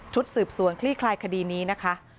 สืบสวนคลี่คลายคดีนี้นะคะ